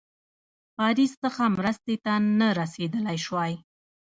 پاریس څخه مرستي ته نه رسېدلای سوای.